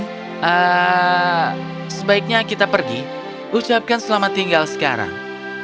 nah sebaiknya kita pergi ucapkan selamat tinggal sekarang